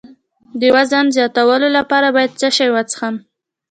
د وزن زیاتولو لپاره باید څه شی وڅښم؟